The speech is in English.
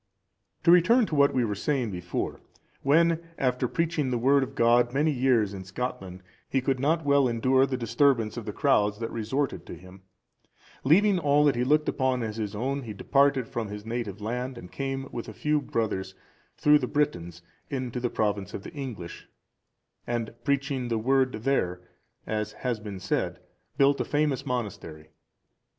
To return to what we were saying before, when, after preaching the Word of God many years in Scotland,(386) he could not well endure the disturbance of the crowds that resorted to him, leaving all that he looked upon as his own, he departed from his native island, and came with a few brothers through the Britons into the province of the English, and preaching the Word there, as has been said, built a famous monastery.